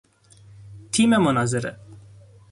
تیم مناظره